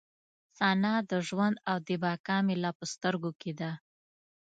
ثنا د ژوند او د بقا مې لا په سترګو کې ده.